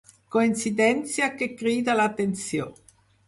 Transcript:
Coincidència que crida l’atenció.